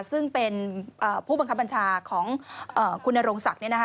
ซึ่งเป็นผู้บังคับบัญชาของคุณนโรงศักดิ์